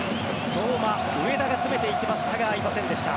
相馬、上田が詰めていきましたが合いませんでした。